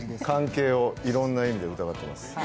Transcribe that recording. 関係をいろいろな意味で疑ってます。